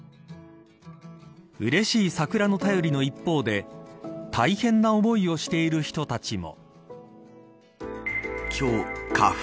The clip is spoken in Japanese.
うれしい桜の便りの一方で大変な思いをしている人たちも。